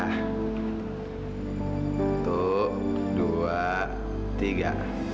satu dua tiga